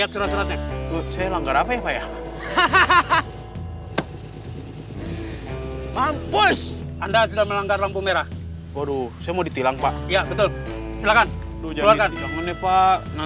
sampai jumpa di video selanjutnya